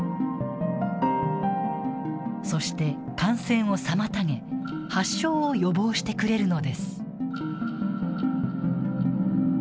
そして、感染を妨げ発症を予防してくれるのです。